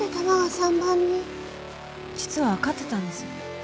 実は分かってたんです。